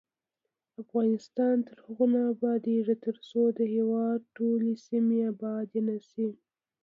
افغانستان تر هغو نه ابادیږي، ترڅو د هیواد ټولې سیمې آبادې نه شي.